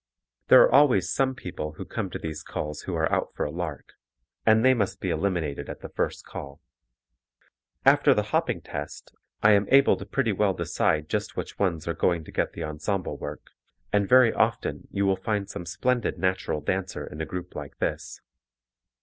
There are always some people who come to these calls who are out for a lark, and they must be eliminated at the first call. After the hopping test I am able to pretty well decide just which ones are going to get the ensemble work and very often you will find some splendid natural dancer in a group like this.